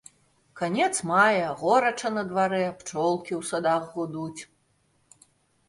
Канец мая, горача на дварэ, пчолкі ў садах гудуць.